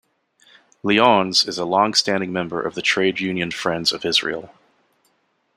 Lyons is a long-standing member of the Trade Union Friends of Israel.